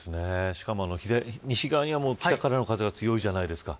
しかも西側には北からの風が強いじゃないですか。